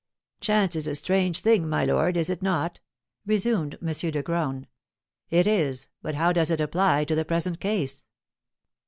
"Chance is a strange thing, my lord, is it not?" resumed M. de Graün. "It is; but how does it apply to the present case?"